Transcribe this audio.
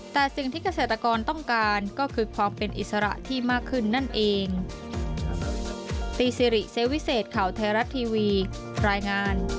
แต่สิ่งที่เกษตรกรต้องการก็คือความเป็นอิสระที่มากขึ้นนั่นเอง